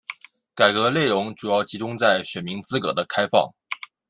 改革内容主要集中在选民资格的开放。